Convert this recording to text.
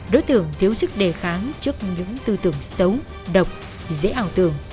đối tượng thiếu sức đề kháng trước những tư tưởng xấu độc dễ ảo tưởng